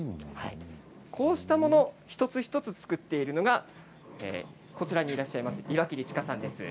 こうしたもの一つ一つ作っているのがこちらにいらっしゃいます岩切千佳さんです。